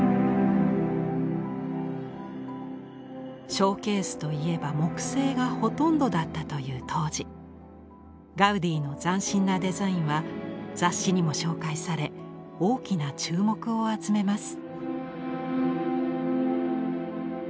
ショーケースといえば木製がほとんどだったという当時ガウディの斬新なデザインは雑誌にも紹介され大きな注目を集めます。